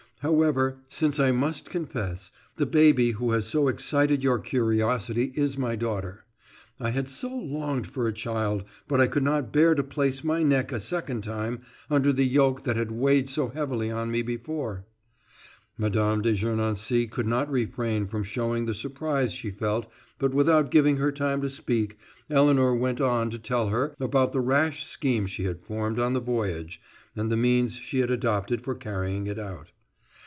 However, since I must confess, the baby who has so excited your curiosity is my daughter. I had so longed for a child, but I could not bear to place my neck a second time under the yoke that had weighed so heavy on me before." Mme. de Gernancé could not refrain from showing the surprise she felt; but without giving her time to speak, Elinor went on to tell her about the rash scheme she had formed on the voyage, and the means she had adopted for carrying it out.